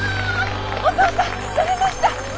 おとうさん乗れました！